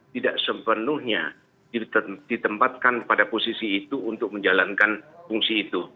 tidak sepenuhnya ditempatkan pada posisi itu untuk menjalankan fungsi itu